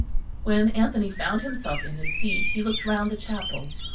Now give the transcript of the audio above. When Anthony found himself in his seat he looked round the chapel.